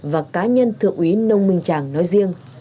và cá nhân thượng úy nông minh tràng nói riêng